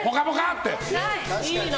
って。